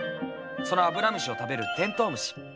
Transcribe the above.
そのアブラムシを食べるテントウムシ。